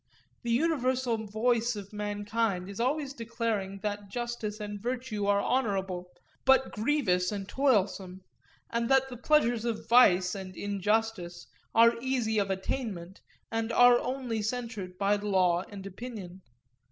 The universal voice of mankind is always declaring that justice and virtue are honourable, but grievous and toilsome; and that the pleasures of vice and injustice are easy of attainment, and are only censured by law and opinion.